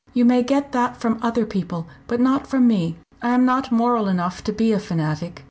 "You may get that from other people, but not from me. I am not moral enough to be a fanatic.